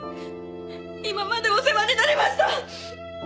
今までお世話になりました。